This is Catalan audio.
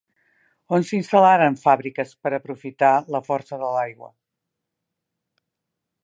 On s'instal·laren fabriques per aprofitat la força de l'aigua?